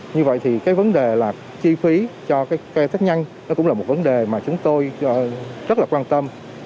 như vậy thì cái vấn đề là chi phí cho cái thất nhân nó cũng là một vấn đề mà chúng tôi rất là quan tâm